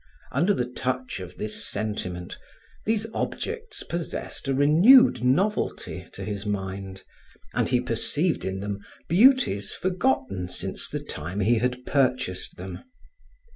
Under the touch of this sentiment, these objects possessed a renewed novelty to his mind, and he perceived in them beauties forgotten since the time he had purchased them.